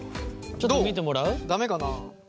ちょっと見てもらう？